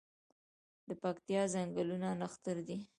د پکتیا ځنګلونه نښتر دي